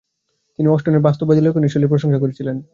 তিনি অস্টেনের বাস্তববাদী লেখনি শৈলীর প্রশংসা করেছিলেন।